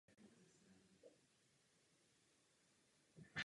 Jeho dřívějším sídlem bylo město Karviná.